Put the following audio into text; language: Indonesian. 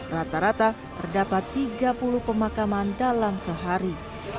rata rata terdapat tiga puluh pemakaman dalam sehari